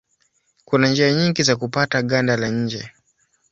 Kuna njia nyingi za kupata ganda la nje.